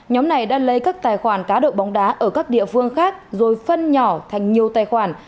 nhóm này đã lấy các tài khoản cá độ bóng đá ở các địa phương khác rồi phân nhỏ thành nhiều tài khoản